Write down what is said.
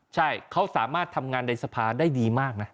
ใช่เขาสามารถทำงานในสภาได้ดีมากนะ